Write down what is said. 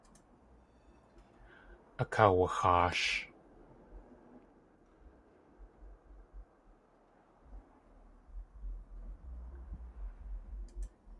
Akaawaxaash.